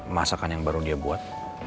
masakan yang baru dia buat